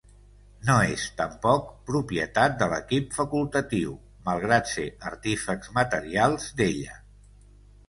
No és, tampoc, propietat de l'equip facultatiu, malgrat ser artífexs materials d'ella.